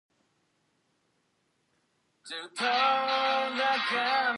It was the site of the first Spanish outpost in Georgia.